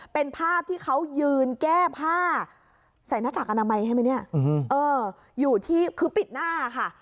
เป็นภาพที่เขายืนแก้ผ้าใส่หน้ากากอนามัยใช่ไหมเนี่ยเอออยู่ที่คือปิดหน้าค่ะ